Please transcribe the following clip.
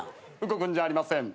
動くんじゃありません。